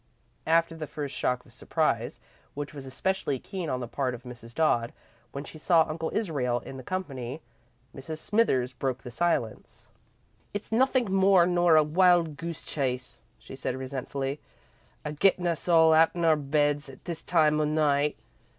After the first shock of surprise, which was especially keen on the part of Mrs. Dodd, when she saw Uncle Israel in the company, Mrs. Smithers broke the silence. "It's nothink more nor a wild goose chase," she said, resentfully. "A gettin' us all out'n our beds at this time o' night!